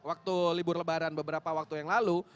waktu libur lebaran beberapa waktu yang lalu